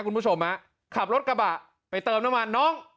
คุณผู้ชมฮะขับรถกระบะไปเติมน้ำมันน้อง